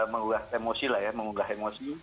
mengubah emosi lah ya mengunggah emosi